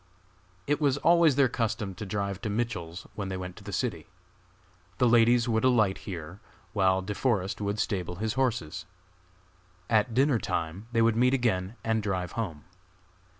It was always their custom to drive to Mitchell's when they went to the city. The ladies would alight here, while De Forest would stable his horses. At dinner time they would meet again and drive home.